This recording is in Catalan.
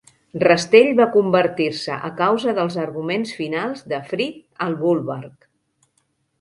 Rastell va convertir-se a causa dels arguments finals de Frith al Bulwark.